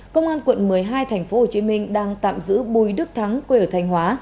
công an quận một mươi hai tp hcm đang tạm giữ bùi đức thắng quê ở thanh hóa